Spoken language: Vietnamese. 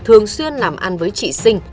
thường xuyên làm ăn với trị sinh